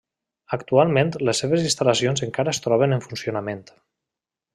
Actualment les seves instal·lacions encara es troben en funcionament.